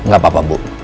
gak apa apa bu